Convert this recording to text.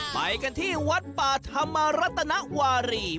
ไปกันที่วัดป่าธรรมรัตนวารี